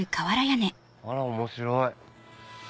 あら面白い。